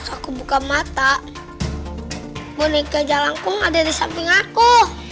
aku buka mata boneka jalanku ada di samping aku